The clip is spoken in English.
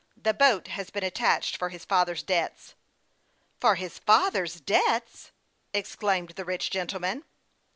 " The boat has been attached for his father's debts." " For his father's debts !" exclaimed the rich gentleman.